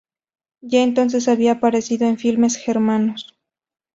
Ya entonces había aparecido en filmes germanos.